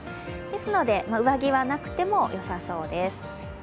ですので上着はなくてもよさそうです。